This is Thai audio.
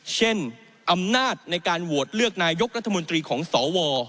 อำนาจในการโหวตเลือกนายกรัฐมนตรีของสว